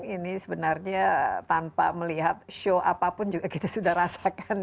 ini sebenarnya tanpa melihat show apapun juga kita sudah rasakan